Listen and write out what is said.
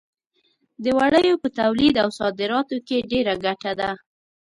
د وړیو په تولید او صادراتو کې ډېره ګټه ده.